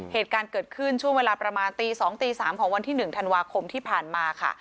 เหตุการณ์เกิดขึ้นช่วงเวลาประมาณตี๒ตี๓ของวันที่๑ธันวาคมที่ผ่านมาค่ะ